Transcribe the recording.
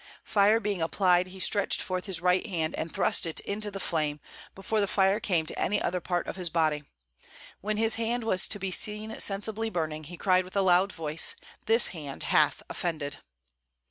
Fire being applied, he stretched forth his right hand and thrust it into the flame, before the fire came to any other part of his body; when his hand was to be seen sensibly burning, he cried with a loud voice, 'This hand hath offended.'"